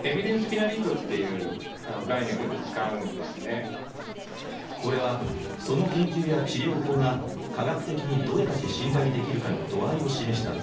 あのこれはその研究や治療法が科学的にどれだけ信頼できるかの度合いを示した図。